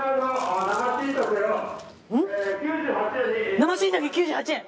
生しいたけ９８円！